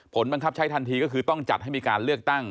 ผลบังคับใช้ทันทีก็คือต้องจัดให้มีการเลือกตั้ง